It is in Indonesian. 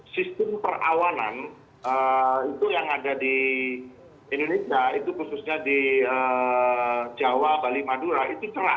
sistem perawanan itu yang ada di indonesia itu khususnya di jawa bali madura itu cerah